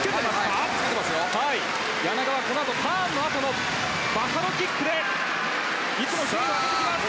柳川、ターンのあとのバサロキックでいつも順位を上げてきます。